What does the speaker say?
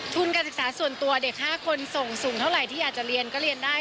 การศึกษาส่วนตัวเด็ก๕คนส่งสูงเท่าไหร่ที่อยากจะเรียนก็เรียนได้